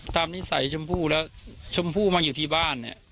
ตามนิสัยชมพู่แล้วชมพู่มันอยู่ที่บ้าน